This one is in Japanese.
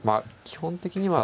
基本的には。